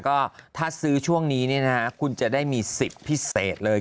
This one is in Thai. ก็ถ้าซื้อช่วงนี้นี่นะฮะคุณจะได้มี๑๐พิเศษเลย